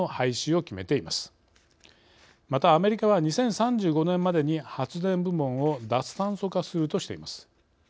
またアメリカは２０３５年までに発電部門を脱炭素化するとしています。